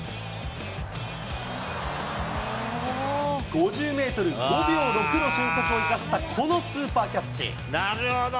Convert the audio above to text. ５０メートル５秒６の俊足を生かした、このスーパーキャッチ。